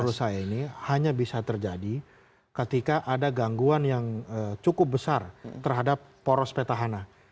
menurut saya ini hanya bisa terjadi ketika ada gangguan yang cukup besar terhadap poros petahana